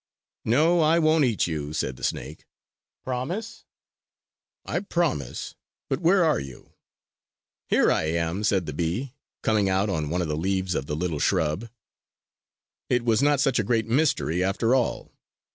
"No, I won't eat you!" said the snake. "Promise?" "I promise! But where are you?" "Here I am," said the bee, coming out on one of the leaves of the little shrub. It was not such a great mystery after all.